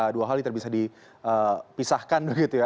dua hal yang tidak bisa dipisahkan begitu ya